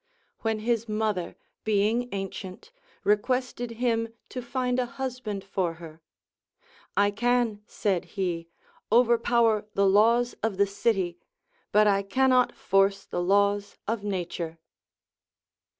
When his mother, being ancient, requested him to find a husband for her, I can, said he, overpower the laws of the city, but I cannot force the laws of Nature.